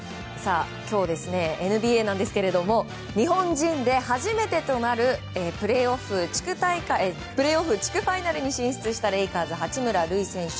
今日、ＮＢＡですが日本人で初めてとなるプレーオフ地区ファイナルに進出したレイカーズの八村塁選手。